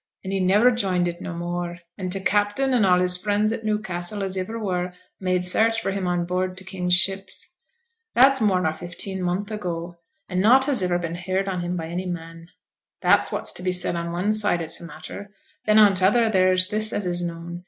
An' he niver joined it no more; an' t' captain an' all his friends at Newcassel as iver were, made search for him, on board t' king's ships. That's more nor fifteen month ago, an' nought has iver been heerd on him by any man. That's what's to be said on one side o' t' matter. Then on t' other there's this as is known.